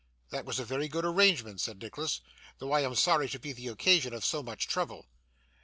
'That was a very good arrangement,' said Nicholas, 'though I am sorry to be the occasion of so much trouble.